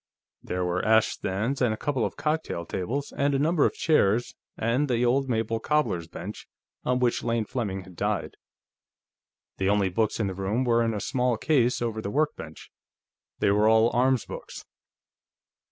There were ashstands and a couple of cocktail tables, and a number of chairs, and the old maple cobbler's bench on which Lane Fleming had died. The only books in the room were in a small case over the workbench; they were all arms books.